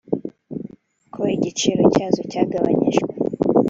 ko igiciro cyazo cyagabanyijwe